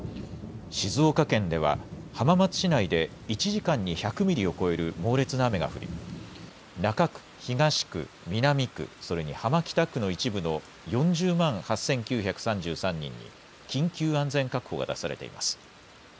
静岡県では浜松市内で１時間に１００ミリを超える猛烈な雨が降り、中区、東区、南区、それに浜北区の一部の４０万８９３３人に、緊急安全確保が出されています。